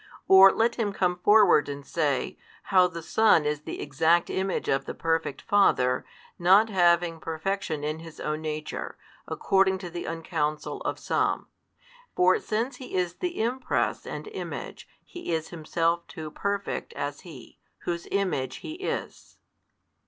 Or let him come forward and say, how the Son is the exact Image of the Perfect Father, not having Perfection in His Own Nature, according to the uncounsel of some. For since He is the Impress and Image, He is Himself too perfect as He, Whose Image He is.